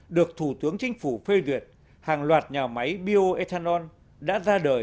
được thủ tướng chính phủ phê duyệt hàng loạt nhà máy bioethanol đã ra đời